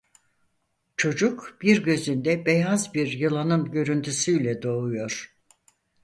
Çocuk bir gözünde beyaz bir yılanın görüntüsüyle doğuyor.